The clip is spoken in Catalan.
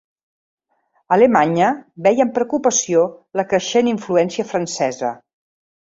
Alemanya veia amb preocupació la creixent influència francesa.